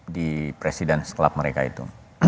di presiden klub mereka itu